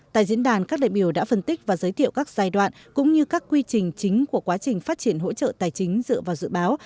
tại diễn đàn các đại biểu đã phân tích và giới thiệu các giai đoạn cũng như các quy trình chính của quá trình phát triển hỗ trợ tài chính dựa vào dự báo